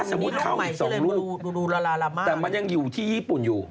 ถ้าสมมุติเข้าอีก๒ลูกแต่มันยังอยู่ที่ญี่ปุ่นอยู่